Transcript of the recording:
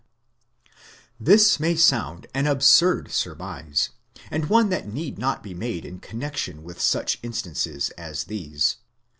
This may sound an absurd surmise, and one that need not be made in connection with such instances as these.